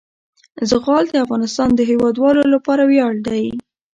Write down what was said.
زغال د افغانستان د هیوادوالو لپاره ویاړ دی.